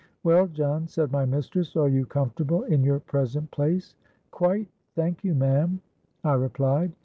'Well, John,' said my mistress, 'are you comfortable in your present place?'—'Quite, thank you, ma'am,' I replied.